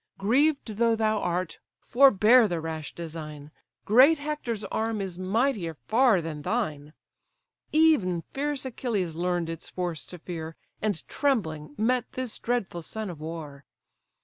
Grieved though thou art, forbear the rash design; Great Hector's arm is mightier far than thine: Even fierce Achilles learn'd its force to fear, And trembling met this dreadful son of war.